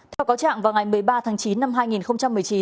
theo cáo trạng vào ngày một mươi ba tháng chín năm hai nghìn một mươi chín